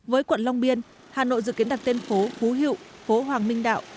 với quận long biên hà nội dự kiến đặt tên phố phú hiệu phố hoàng minh đạo